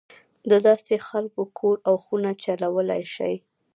دداسې خلک کور او خونه چلولای شي.